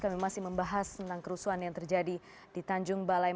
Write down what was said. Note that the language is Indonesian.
kami masih membahas tentang kerusuhan yang terjadi di tanjung balai